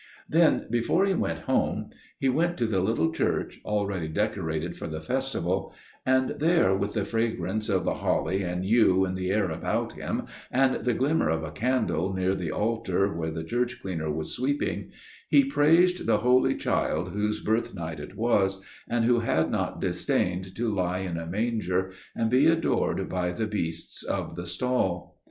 "Then, before he went home, he went to the little church, already decorated for the festival, and there with the fragrance of the holly and yew in the air about him, and the glimmer of a candle near the altar where the church cleaner was sweeping, he praised the Holy Child whose Birth night it was, and who had not disdained to lie in a manger and be adored by the beasts of the stall.